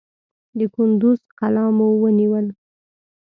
د کندوز قلا مو ونیول.